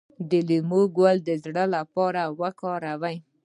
د لیمو ګل د زړه لپاره وکاروئ